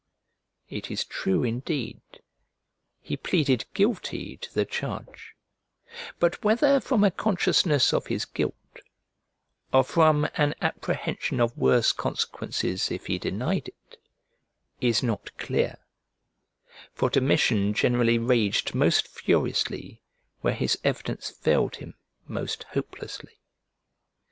It is true, indeed, he pleaded guilty to the charge; but whether from a consciousness of his guilt, or from an apprehension of worse consequences if he denied it, is not clear; for Domitian generally raged most furiously where his evidence failed him most hopelessly.